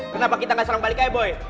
kenapa kita ga seram balik aja boy